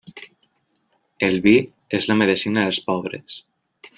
El vi és la medecina dels pobres.